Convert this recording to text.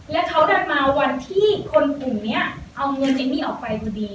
และเค้ากลับมาวันที่คนปุ่มเนี้ยเอาเงินเอ็มมี่ออกไปดูดี